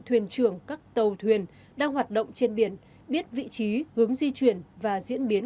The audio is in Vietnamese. thuyền trưởng các tàu thuyền đang hoạt động trên biển biết vị trí hướng di chuyển và diễn biến